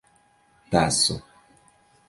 taso